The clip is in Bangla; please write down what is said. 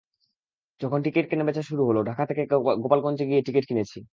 যখন টিকিট কেনাবেচা শুরু হলো, ঢাকা থেকে গোপালগঞ্জে গিয়ে টিকিট কিনেছি।